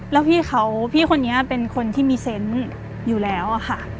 แล้วพี่เขาพี่คนนี้เป็นคนที่มีเซนต์อยู่แล้วอะค่ะ